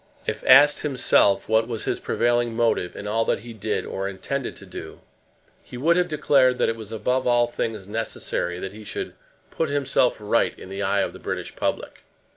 If asked himself what was his prevailing motive in all that he did or intended to do, he would have declared that it was above all things necessary that he should "put himself right in the eye of the British public."